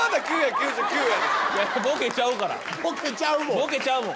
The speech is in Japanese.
ボケちゃうもん。